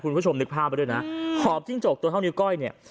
คุณผู้ชมนึกภาพไปด้วยนะหอบจิ้งจกตัวเท่านิ้วก้อยเนี่ย